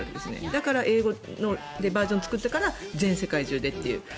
だから、英語のバージョン作って世界中でという。